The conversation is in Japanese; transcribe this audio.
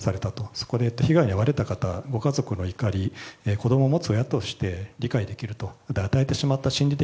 そこで被害に遭われた方ご家族であったり子供を持つ親として理解できると。